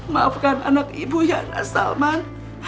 maafkan anak ibu ya nas salman